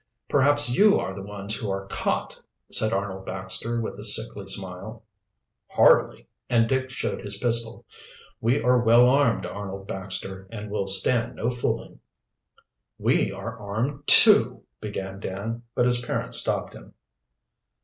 "Perhaps you are the ones who are caught," said Arnold Baxter, with a sickly smile. "Hardly," and Dick showed his pistol. "We are well armed, Arnold Baxter, and will stand no fooling." "We are armed, too " began Dan, but his parent stopped him.